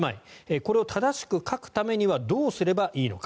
これを正しく書くためにはどうすればいいのか。